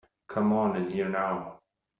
Come on in here now.